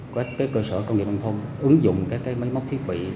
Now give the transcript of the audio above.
các cơ sở công nghiệp nông thôn ứng dụng các máy móc thiết bị